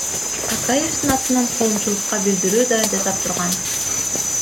Акаевдин атынан коомчулукка билдирүү да жасап турган.